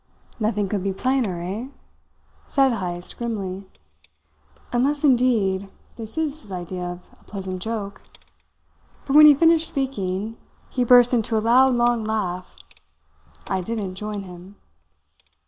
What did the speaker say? "Nothing could be plainer, eh?" said Heyst grimly. "Unless, indeed, this is his idea of a pleasant joke; for, when he finished speaking, he burst into a loud long laugh. I didn't join him!"